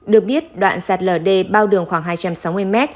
được biết đoạn sát lờ đê bao đường khoảng hai trăm sáu mươi m